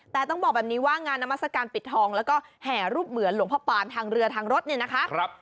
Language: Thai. แต่ต้องบอกแบบนี้ว่างานนามัศกาลปิดทองแล้วก็แห่รูปเหมือนหลวงพ่อปานทางเรือทางรถเนี่ยนะคะ